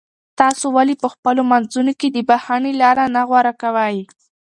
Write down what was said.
تاسو ولې په خپلو منځونو کې د بښنې لاره نه غوره کوئ؟